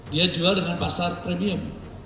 dia jual dengan pasar premium